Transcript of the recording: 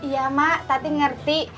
iya mak tapi ngerti